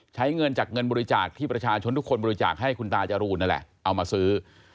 ใช้เงินจากเงินบริจาคที่ประชาชนทุกคนบริจาคให้คุณตาจรูนนั่นแหละเอามาซื้อ